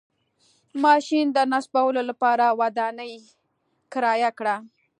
ماشین د نصبولو لپاره ودانۍ کرایه کړه.